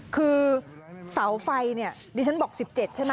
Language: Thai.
คือเสาไฟเนี่ยดิฉันบอก๑๗ใช่ไหม